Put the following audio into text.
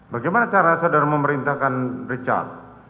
bagaimana cara saudara memerintahkan richard